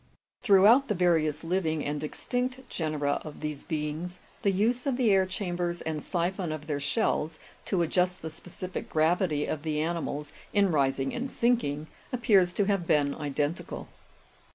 " Throughout the various living and extinct genera of these beings, the use of the air chambers and siphon of their shells, to adjust the specific gravity of the animals in rising and sinking, appears to have been identical.